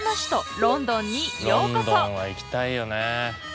ロンドンは行きたいよね。